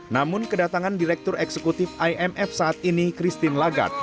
namun kedatangan direktur eksekutif imf saat ini christine lagarde